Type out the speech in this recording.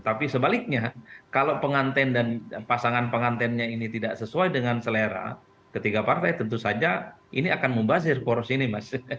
tapi sebaliknya kalau penganten dan pasangan pengantennya ini tidak sesuai dengan selera ketiga partai tentu saja ini akan membazir poros ini mas